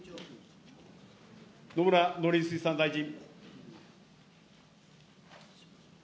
野村農林水産大臣。